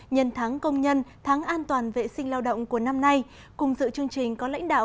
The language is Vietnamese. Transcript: nhân tháng công nhân tháng an toàn vệ sinh lao động của năm nay cùng dự chương trình có lãnh đạo